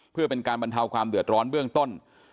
เพื่อเป็นการบรรเทาความเดือดร้อนเบื้องต้น